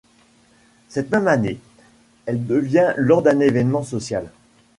Cette même année, elle devient lors d'un événement social.